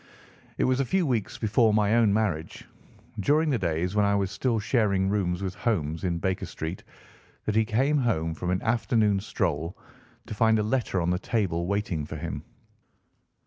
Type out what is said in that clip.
It was a few weeks before my own marriage, during the days when I was still sharing rooms with Holmes in Baker Street, that he came home from an afternoon stroll to find a letter on the table waiting for him.